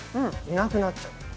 いなくなっちゃう。